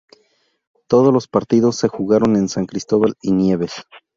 Todos los partidos se jugaron en San Cristóbal y Nieves.